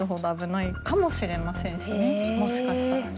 もしかしたらね。